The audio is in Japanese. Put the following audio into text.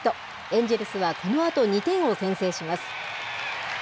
エンジェルスはこのあと２点を先制します。